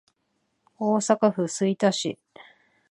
大阪府吹田市